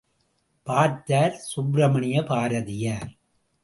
பார்த்தார் சுப்பிரமணிய பாரதியார்.